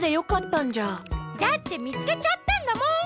だってみつけちゃったんだもん。